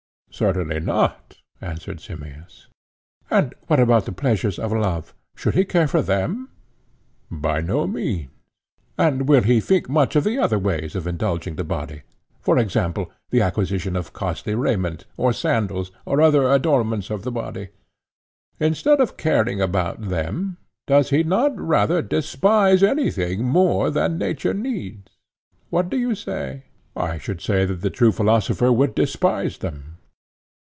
Certainly not, answered Simmias. And what about the pleasures of love—should he care for them? By no means. And will he think much of the other ways of indulging the body, for example, the acquisition of costly raiment, or sandals, or other adornments of the body? Instead of caring about them, does he not rather despise anything more than nature needs? What do you say? I should say that the true philosopher would despise them.